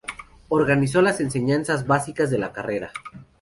Organizó las enseñanzas básicas de la carrera.